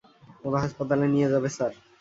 ওরা হাসপাতালে নিয়ে যাবে স্যার।